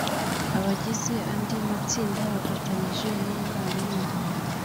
Abagize andi matsinda bafatanyije n’umwarimu